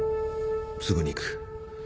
すぐに行く。